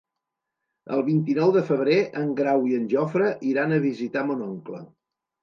El vint-i-nou de febrer en Grau i en Jofre iran a visitar mon oncle.